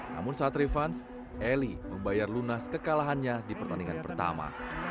namun saat revans eli membayar lunas kekalahannya di pertandingan pertama